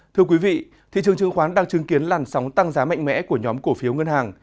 thưa quý vị thị trường chứng khoán đang chứng kiến làn sóng tăng giá mạnh mẽ của nhóm cổ phiếu ngân hàng